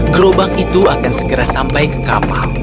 gerobak itu akan segera sampai ke kapal